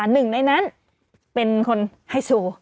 หนึ่งในนั้นเป็นคนไฮโซ